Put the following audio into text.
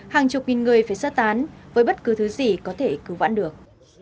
hàng chục nghìn người phải sơ tán với bất cứ thứ gì có thể cứu vãn được